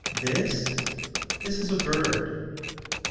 "This? This is a bird."